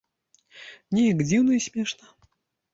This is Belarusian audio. Неяк дзіўна і смешна.